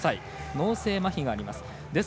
脳性まひがあります。